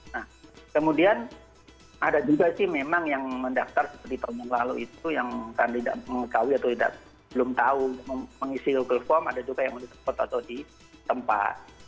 nah kemudian ada juga sih memang yang mendaftar seperti tahun lalu itu yang kan tidak mengetahui atau belum tahu mengisi google form ada juga yang mengetahui tempat